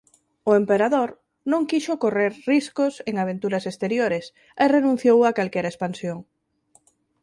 O emperador non quixo correr riscos en aventuras exteriores e renunciou a calquera expansión.